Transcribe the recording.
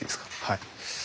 はい。